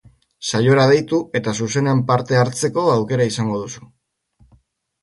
Saiora deitu eta zuzenean parte hartzeko aukera izango duzu.